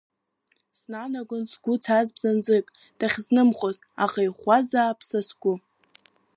Снанагон згәы цаз бзанҵык дахьызнымхо, аха иӷәӷәазаап са сгәы…